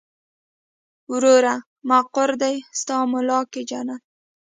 وروره مقر دې ستا مولا کې جنت.